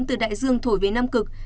từ đại dương thổi về nam cực